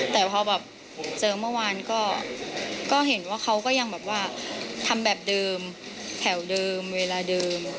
แต่พอแบบเจอเมื่อวานก็เห็นว่าเขาก็ยังแบบว่าทำแบบเดิมแถวเดิมเวลาเดิม